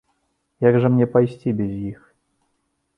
Як жа мне пайсці без іх?